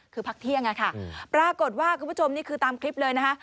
คือพักเที่ยงอะค่ะปรากฏว่าคุณผู้ชมนี่คือตามคลิปเลยนะคะ